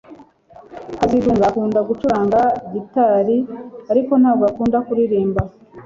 kazitunga akunda gucuranga gitari ariko ntabwo akunda kuririmba